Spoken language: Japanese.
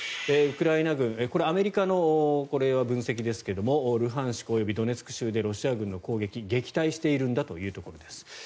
ウクライナ軍これはアメリカの分析ですがルハンシク及びドネツク州でロシア軍の攻撃撃退しているんだというところです。